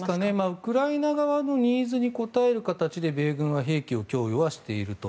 ウクライナ側のニーズに応える形で米軍は兵器を提供はしていると。